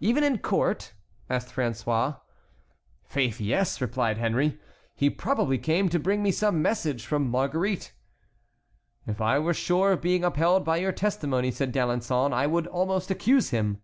"Even in court?" asked François. "Faith, yes," replied Henry. "He probably came to bring me some message from Marguerite." "If I were sure of being upheld by your testimony," said D'Alençon, "I would almost accuse him."